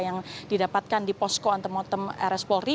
yang didapatkan di posko antemortem rs polri